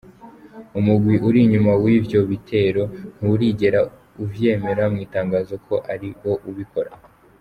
Umugwi uri inyuma w'ivyo bitero nturigera uvyemera mw'itangazo ko ari wo ubikora.